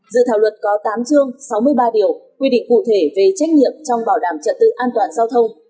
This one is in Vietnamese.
dự thảo luật có tám chương sáu mươi ba điều quy định cụ thể về trách nhiệm trong bảo đảm trật tự an toàn giao thông